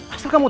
aku sudah lupa